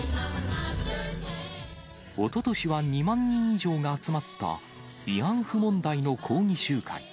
おととしは２万人以上が集まった、慰安婦問題の抗議集会。